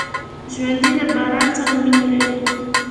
ژوندي له باران سره مینه لري